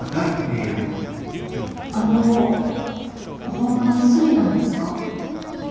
あのホンマにスリなんですか？